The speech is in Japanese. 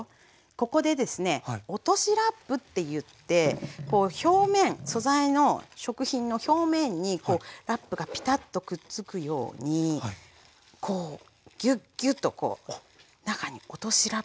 ここでですね落としラップっていって表面素材の食品の表面にラップがピタッとくっつくようにこうギュッギュッと中に落としラップ。